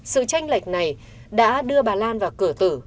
sự tranh lệch này đã đưa bà lan vào cửa tử